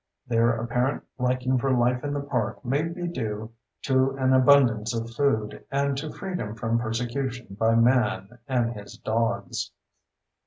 Their apparent liking for life in the park may be due to an abundance of food and to freedom from persecution by man and his dogs.